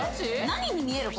何に見える？